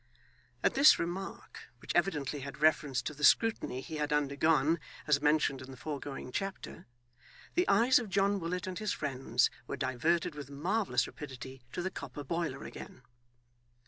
At this remark, which evidently had reference to the scrutiny he had undergone, as mentioned in the foregoing chapter, the eyes of John Willet and his friends were diverted with marvellous rapidity to the copper boiler again.